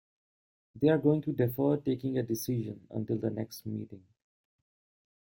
They are going to defer taking a decision until the next meeting.